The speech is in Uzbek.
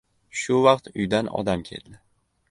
Shu vaqt uydan odam keldi.